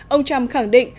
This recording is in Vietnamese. ông trump khẳng định